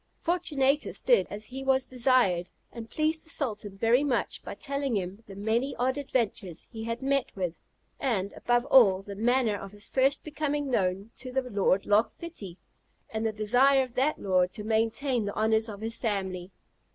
Fortunatus did as he was desired, and pleased the sultan very much by telling him the many odd adventures he had met with; and, above all, the manner of his first becoming known to the Lord Loch Fitty, and the desire of that lord to maintain the honours of his family.